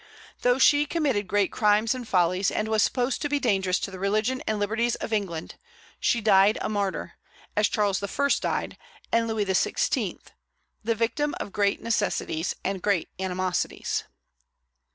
Though she committed great crimes and follies, and was supposed to be dangerous to the religion and liberties of England, she died a martyr, as Charles I. died, and Louis XVI., the victim of great necessities and great animosities.